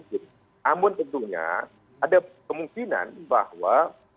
namun tentunya ada kemungkinan bahwa